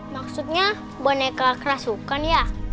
maksudnya boneka kerasukan ya